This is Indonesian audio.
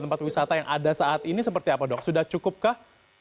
tempat wisata yang ada saat ini seperti apa dok sudah cukupkah